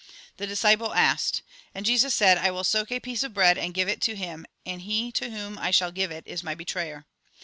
The disciple asked. And Jesus said :" I will soak a piece of bread, and give it to him ; and he to whom I shall give it is my betrayer."